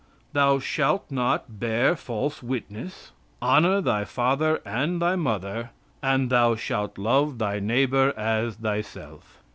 Thou shalt not bear false witness. Honor thy father and thy mother; and, thou shalt love thy neighbor as thyself."